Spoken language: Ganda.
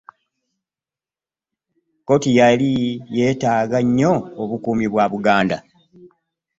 Kkooki yali yeetaaga nnyo obukuumi bwa Buganda.